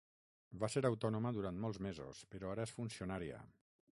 Va ser autònoma durant molts mesos, però ara és funcionària.